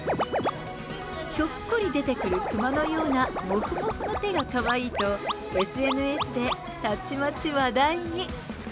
ひょっこり出てくる熊のようなもふもふの手がかわいいと、ＳＮＳでたちまち話題に。